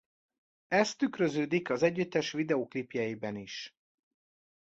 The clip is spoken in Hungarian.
Ez tükröződik az együttes videóklipjeiben is.